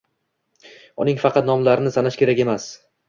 Uning faqat nomlarini sanash kerakmas.